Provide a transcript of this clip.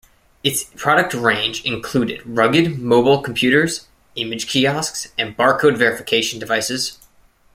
Its product range included rugged mobile computers, image kiosks, and barcode verification devices.